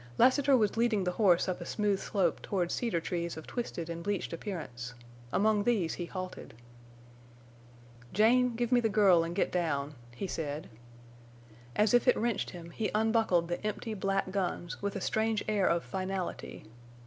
Lassiter was leading the horse up a smooth slope toward cedar trees of twisted and bleached appearance. Among these he halted. "Jane, give me the girl en' get down," he said. As if it wrenched him he unbuckled the empty black guns with a strange air of finality.